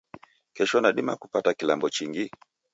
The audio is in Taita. Kesho nadima nipate kilambo chingi?